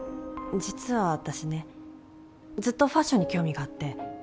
実は私ねずっとファッションに興味があって